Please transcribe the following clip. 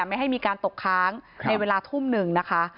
ไม่ให้มีการตกค้างในเวลาทุ่มหนึ่งนะคะ